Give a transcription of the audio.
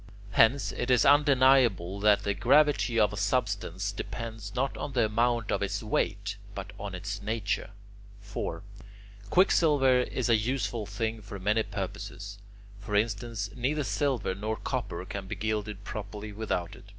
Hence, it is undeniable that the gravity of a substance depends not on the amount of its weight, but on its nature. 4. Quicksilver is a useful thing for many purposes. For instance, neither silver nor copper can be gilded properly without it.